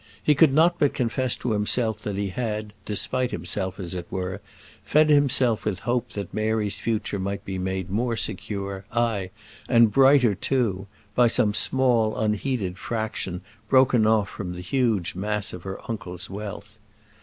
He could not but confess to himself that he had, despite himself as it were, fed himself with hope that Mary's future might be made more secure, aye, and brighter too, by some small unheeded fraction broken off from the huge mass of her uncle's wealth.